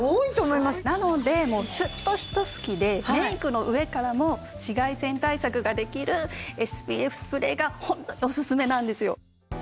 なのでシュッとひと吹きでメイクの上からも紫外線対策ができるＳＰＦスプレーがホントにオススメなんですよ。